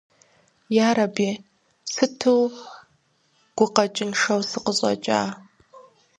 Ярэби, сыту гукъэкӀыншэу сыкъыщӀэкӀа.